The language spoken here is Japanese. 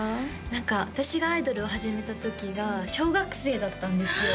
何か私がアイドルを始めた時が小学生だったんですよ